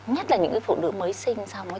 nhất là những cái phụ nữ mới sinh xong